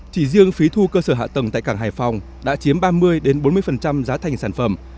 chỉ riêng phí thu cơ sở hạ tầng tại cảng hải phòng đã chiếm ba mươi bốn mươi giá thành sản phẩm